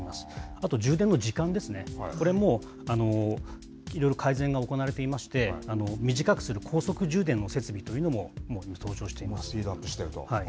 あと充電の時間ですね、これも、いろいろ改善が行われていまして、短くする、高速充電の設備というのも登場していますし。